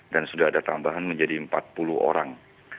dan sudah ada tambahan menjadi empat puluh orang